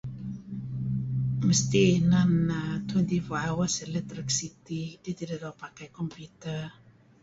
Mesti inan err twety-four hours electricity kidih tidih doo' pakai computer.